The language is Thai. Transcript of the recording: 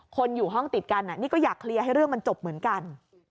คนอยู่ห้องติดกันนี่ก็อยากเคลียร์ให้เรื่องมันจบเหมือนกัน